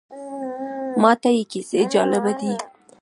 ماته یې کیسې جالبه دي.